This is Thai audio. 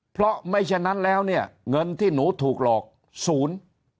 เพราะไม่ฉะนั้นแล้วเนี่ยเงินที่หนูถูกหลอกศูนย์